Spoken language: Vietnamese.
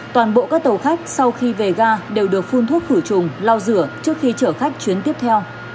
toàn bộ các tàu khách sau khi về ga đều được phun thuốc khử trùng lau rửa trước khi chở khách chuyến tiếp theo